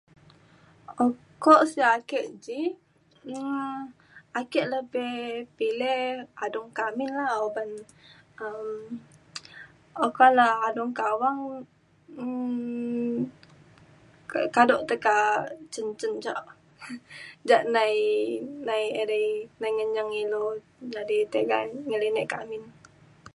ukok sik ake ji um ake lebih pilih adung kak amin la uban um oka le adung kak awang um k- kado tekak cin cin jak nai nai edai nai ngenyeng ilu jadi tiga ngelinek kak amin